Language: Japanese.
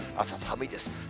朝は寒いです。